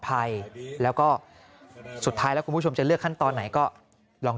ภัยแล้วก็สุดท้ายแล้วคุณผู้ชมจะเลือกขั้นตอนไหนก็ลอง